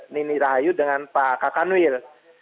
nini rahayu dengan pak kak kanwil